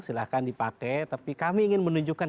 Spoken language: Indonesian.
silahkan dipakai tapi kami ingin menunjukkan